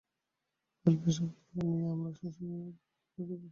গল্পের সভাসদগণের ন্যায় আমরাও স্ব স্ব ভাগের কাজ ঐরূপে করিয়া যাইতেছি।